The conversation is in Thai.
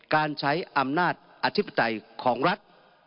การใช้อำนาจอธิปไตยของรัฐ